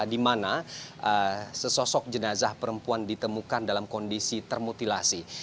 dimana sesosok jenazah perempuan ditemukan dalam kondisi termutilasi